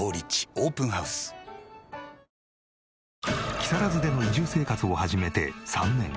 木更津での移住生活を始めて３年。